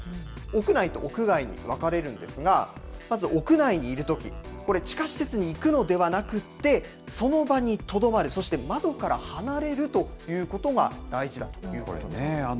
屋内と屋外に分かれるんですが、まず屋内にいるとき、これ、地下施設に行くのではなくって、その場にとどまる、そして窓から離れるということが大事だということなんです。